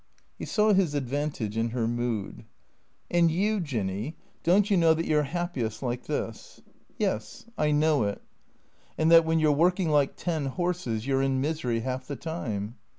He saw his advantage in her mood. " And you. Jinny ? Don't you know that you 're happiest like this?" " Yes. I know it." " And that when you 're working like ten horses you 're in misery half the time